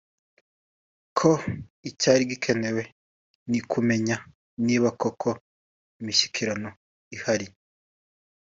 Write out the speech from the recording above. ko icyari gikenewe ni ukumenya niba koko imishyikirano ihari